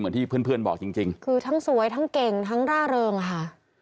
เหมือนที่เพื่อนบอกจริงคือทั้งสวยทั้งเก่งทั้งร่าเริงค่ะ